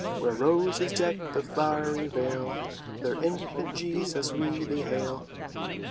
" Where roses deck the flowery vale, There, Infant Jesus, we thee hail!